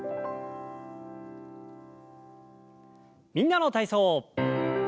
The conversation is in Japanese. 「みんなの体操」。